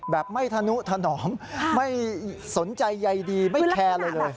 แบบไม่ทะนุทะหนอมไม่สนใจใยดีไม่แคร์เลย